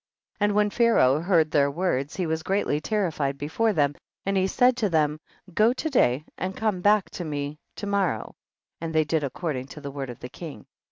26. And when Pharaoh heard their words he was greatly terrified before them, and he said to them, go to day and come back to me to morrow, and they did according to tlie word of the king.